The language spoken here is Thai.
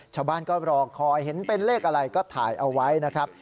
ชาวบ้านก็รอคอยเห็นเป็นเลขอะไรก็ถ่ายเอาไว้นะครับ